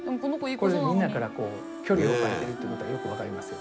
これでみんなから距離を置かれてるっていうことはよく分かりますよ。